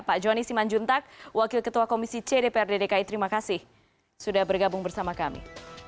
pak joni simanjuntak wakil ketua komisi cdprd dki terima kasih sudah bergabung bersama kami